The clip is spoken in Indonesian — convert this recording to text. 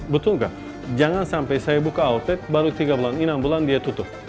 betul nggak jangan sampai saya buka outlet baru tiga bulan enam bulan dia tutup